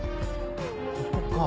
ここか。